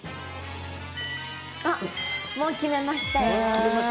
もう決めました。